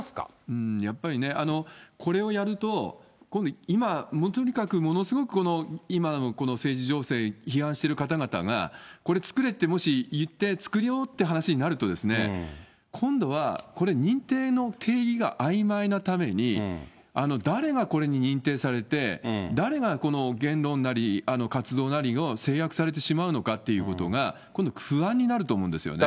うーん、やっぱりね、これをやると、今度、今、とにかくもう今の政治情勢を批判してる方々が、これ、作れってもし言って、作ろうって話になると、今度は、これ、認定の定義があいまいなために、誰がこれに認定されて、誰がこの言論なり活動なりを制約されてしまうのかっていうことが、今度、不安になると思うんですよね。